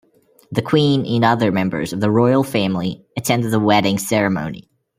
The Queen and other members of the royal family attended the wedding ceremony.